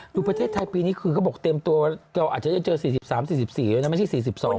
ดูประเทศไทยปีนี้คือเขาบอกเตรียมตัวเราอาจจะได้เจอ๔๓๔๔แล้วนะไม่ใช่๔๒